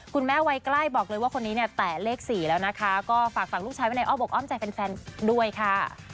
วัยใกล้บอกเลยว่าคนนี้เนี่ยแตะเลข๔แล้วนะคะก็ฝากฝั่งลูกชายไว้ในอ้อมอกอ้อมใจแฟนด้วยค่ะ